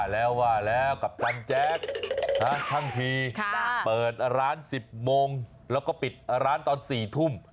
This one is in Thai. แล้วทั้งทีเปิดร้าน๑๐โมงแล้วก็ปิดร้านตอน๔ทุ่ม